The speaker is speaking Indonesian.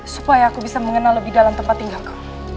supaya aku bisa mengenal lebih dalam tempat tinggalku